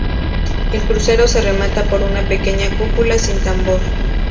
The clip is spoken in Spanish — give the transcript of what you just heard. El crucero se remata por una pequeña cúpula sin tambor.